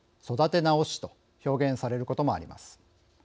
育て直しと表現されることもあります。